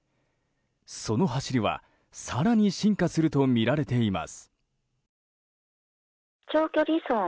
その走りは更に進化するとみられています。